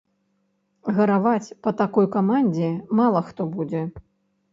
Гараваць па такой камандзе мала хто будзе.